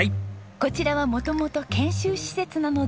こちらは元々研修施設なので。